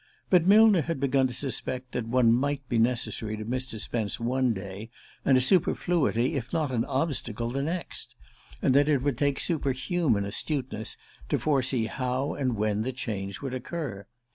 But Millner had begun to suspect that one might be necessary to Mr. Spence one day, and a superfluity, if not an obstacle, the next; and that it would take superhuman astuteness to foresee how and when the change would occur.